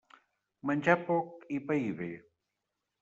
Menjar poc i pair bé.